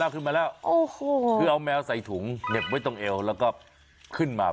ขึ้นมาแล้วโอ้โหคือเอาแมวใส่ถุงเหน็บไว้ตรงเอวแล้วก็ขึ้นมา